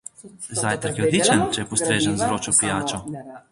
Zajtrk je odličen, če je postrežen z vročo pijačo.